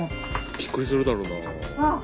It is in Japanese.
びっくりするだろうな。